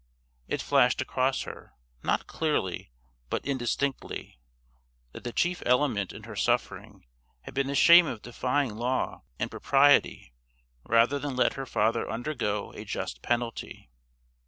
It flashed across her, not clearly but indistinctly, that the chief element in her suffering had been the shame of defying law and propriety rather than let her father undergo a just penalty.